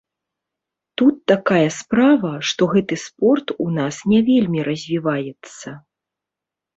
Тут такая справа, што гэты спорт у нас не вельмі развіваецца.